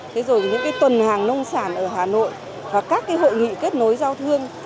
thế rồi những cái tuần hàng nông sản ở hà nội và các cái hội nghị kết nối giao thương